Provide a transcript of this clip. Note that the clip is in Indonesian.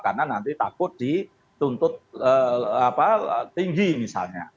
karena nanti takut dituntut tinggi misalnya